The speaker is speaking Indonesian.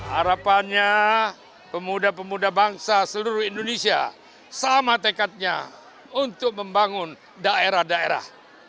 harapannya pemuda pemuda bangsa seluruh indonesia sama tekadnya untuk membangun daerah daerah